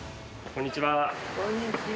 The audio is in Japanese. こんにちは。